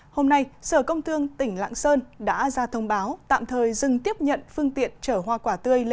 hôm nay sở công thương tỉnh lạng sơn đã ra thông báo tạm thời dừng tiếp nhận phương tiện chở hoa quả tươi